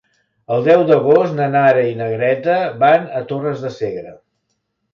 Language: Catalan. El deu d'agost na Nara i na Greta van a Torres de Segre.